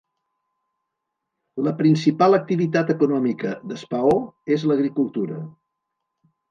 La principal activitat econòmica de Spaoh és l'agricultura.